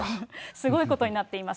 すごいことになっています。